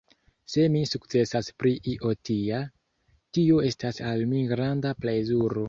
Se mi sukcesas pri io tia, tio estas al mi granda plezuro.